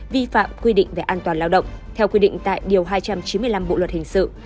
vi phạm quy định về an toàn lao động theo quy định tại điều hai trăm chín mươi năm bộ luật hình sự